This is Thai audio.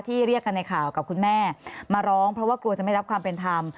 เรียกกันในข่าวกับคุณแม่มาร้องเพราะว่ากลัวจะไม่รับความเป็นธรรม